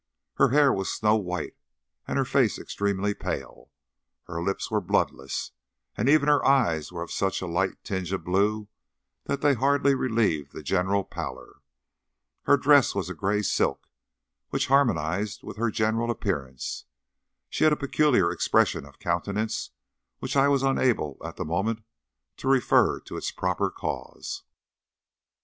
Her hair was snow white, and her face extremely pale. Her lips were bloodless, and even her eyes were of such a light tinge of blue that they hardly relieved the general pallor. Her dress was a grey silk, which harmonised with her general appearance. She had a peculiar expression of countenance, which I was unable at the moment to refer to its proper cause.